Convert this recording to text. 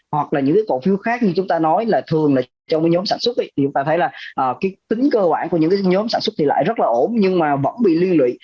hoặc là những cổ phiếu khác như chúng ta nói là thường trong nhóm sản xuất thì chúng ta thấy là tính cơ bản của những nhóm sản xuất thì lại rất là ổn nhưng mà vẫn bị liên lụy